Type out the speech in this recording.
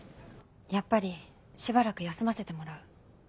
やっぱりしばらく休ませてもらう。